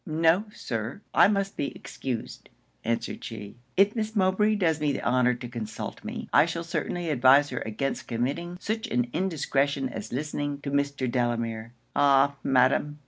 'No, Sir, I must be excused,' answered she 'If Miss Mowbray does me the honour to consult me, I shall certainly advise her against committing such an indiscretion as listening to Mr. Delamere.' 'Ah! Madam!'